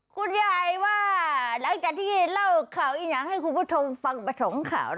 คุณยายว่าหลังจากร่าวเคราะห์ให้คุณพุทธฮ์ฟังบะทองขาว